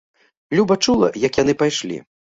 Люба чула, як яны пайшлі.